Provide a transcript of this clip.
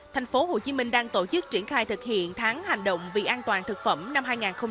thành phố hồ chí minh đang tổ chức triển khai thực hiện tháng hành động vì an toàn thực phẩm năm hai nghìn hai mươi bốn